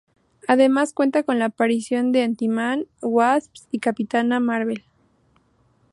Además cuenta con la aparición de Ant-Man, Wasp y Capitana Marvel.